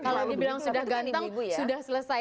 kalau dibilang sudah gantang sudah selesai